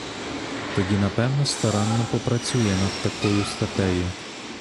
Тоді напевне старанно попрацює над такою статтею.